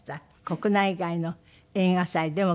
国内外の映画祭でもご活躍。